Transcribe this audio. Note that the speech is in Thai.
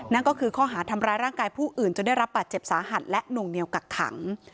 นั่นก็คือข้อหาทำร้ายร่างกายผู้อื่นจนได้รับบาดเจ็บสาหัสและหน่วงเหนียวกักขัง